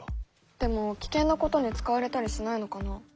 でも危険なことに使われたりしないのかな？